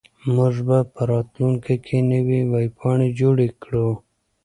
موږ به په راتلونکي کې نوې ویبپاڼې جوړې کړو.